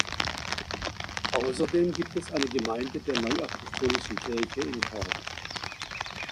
Außerdem gibt es eine Gemeinde der Neuapostolischen Kirche in Korb.